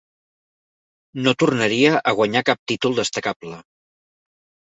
No tornaria a guanyar cap títol destacable.